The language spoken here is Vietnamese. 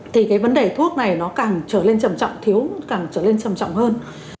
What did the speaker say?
thì cái vấn đề thuốc này nó càng trở lên trầm trọng thiếu càng trở lên trầm trọng hơn